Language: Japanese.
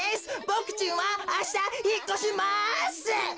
ボクちんはあしたひっこします！